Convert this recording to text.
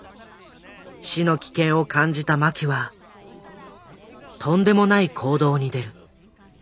死の危険を感じた麻紀はとんでもない行動に出る。